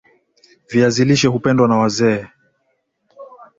Viazi lishe hupendwa na wazee